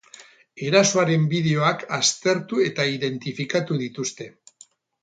Erasoaren bideoak aztertu eta identifikatu dituzte.